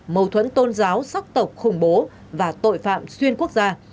mâu thuẫn tôn giáo sắc tộc khủng bố và tội phạm xuyên quốc gia